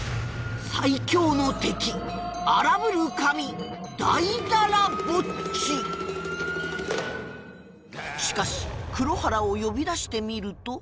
最強の敵しかし黒原を呼び出してみると